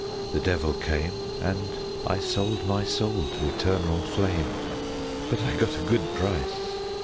The devil came, and I sold my soul to eternal flame. But I got a good price.